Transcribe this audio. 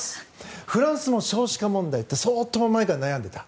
フランスも少子化問題って相当前から悩んでいた。